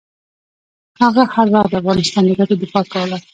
هغه هر وخت د افغانستان د ګټو دفاع کوله.